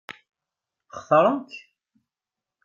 Xtaṛen-k?